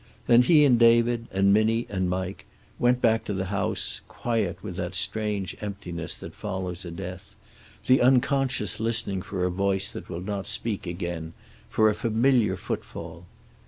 Then he and David, and Minnie and Mike, went back to the house, quiet with that strange emptiness that follows a death, the unconscious listening for a voice that will not speak again, for a familiar footfall.